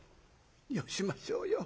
「よしましょうよ。